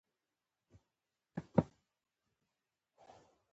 شربت د اخترونو رنگینوالی زیاتوي